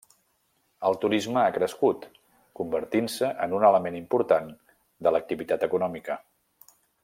El turisme ha crescut, convertint-se en un element important de l'activitat econòmica.